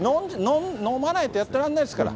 飲まないとやってらんないですから。